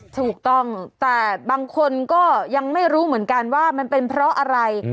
ถูกต้องแต่บางคนก็ยังไม่รู้เหมือนกันว่ามันเป็นเพราะอะไร